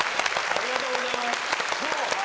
ありがとうございます。